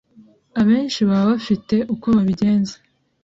abenshi baba bafite uko babigenza